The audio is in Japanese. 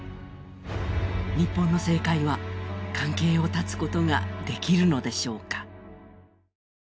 日本の政界は、関係を断つことができるのでしょうか。